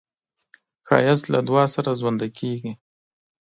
ښایست له دعا سره ژوندی کېږي